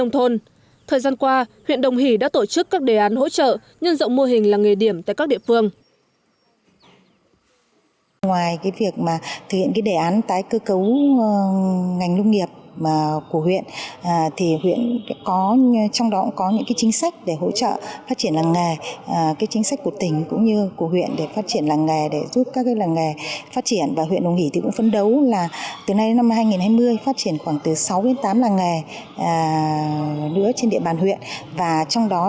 thời gian qua huyện đồng hỷ đã tổ chức các đề án hỗ trợ nhân dọng mô hình làng nghề điểm tại các địa phương